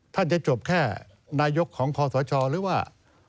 ท่านจะจบแค่นายกของพศหรือว่า